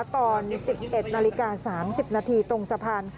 ตอน๑๑นาฬิกา๓๐นาทีตรงสะพาน